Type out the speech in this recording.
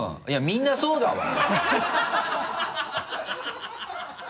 みんなそうだわ。